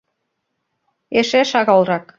Эше шагалрак.